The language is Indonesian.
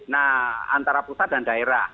nah antara pusat dan daerah